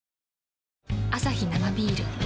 アサヒ生ビール